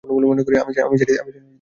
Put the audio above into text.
আমি জানি তোমার খারাপ লাগছে।